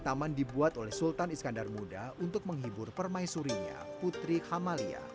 taman dibuat oleh sultan iskandar muda untuk menghibur permaisurinya putri khamalia